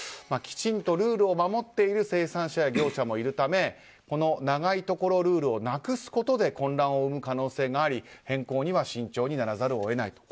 きちんとルールを守っている生産者や業者もいるためこの長いところルールをなくすことで混乱を生む可能性があり変更には慎重にならざるを得ない。